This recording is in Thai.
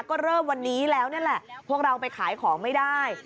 ก็เริ่มวันนี้แล้วนี่แหละพวกเราไปขายของไม่ได้